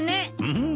うん。